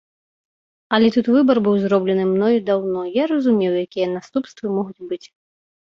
Але тут выбар быў зроблены мной даўно, я разумеў, якія наступствы могуць быць.